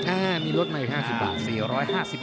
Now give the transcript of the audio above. อ่ามีรถไม่๕๐บาท